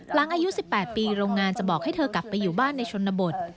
หลังอายุ๑๘ปีโรงงานจะบอกให้เธอกลับไปอยู่บ้านในชนบท